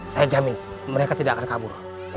saya jamin mereka tidak akan kabur